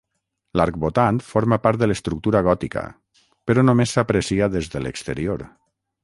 L'arcbotant forma part de l'estructura gòtica, però només s'aprecia des de l'exterior.